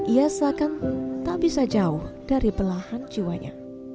ia seakan tak bisa jauh dari belahan jiwanya